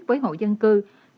với hộ dân cư